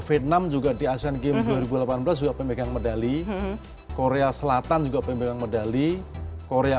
vietnam juga di asean games dua ribu delapan belas juga pemegang medali korea selatan juga pemegang medali korea